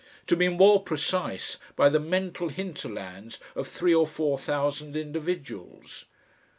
To be more precise, by the mental hinterlands of three or four thousand individuals.